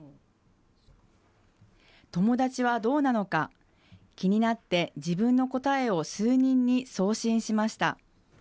友達はどうなのか、気になって自分の答えを数人に送信しました。